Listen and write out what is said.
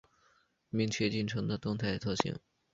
明确进程的动态特性